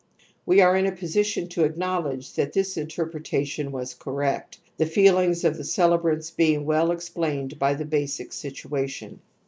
We are in a position to acknowledge that this interpre tation was correct, the feeUngs of the celebrants being well explained by the basic situation.